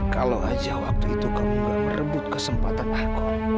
kalau saja waktu itu kamu tidak merebut kesempatan aku